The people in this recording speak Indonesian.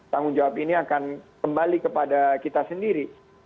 tanggung jawab ini akan kembali kepada kita sendiri